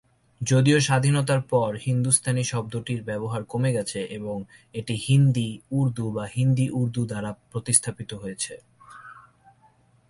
যদিও স্বাধীনতার পর 'হিন্দুস্তানি' শব্দটির ব্যবহার কমে গেছে, এবং এটি 'হিন্দি', 'উর্দু' বা 'হিন্দি-উর্দু' দ্বারা প্রতিস্থাপিত হয়েছে।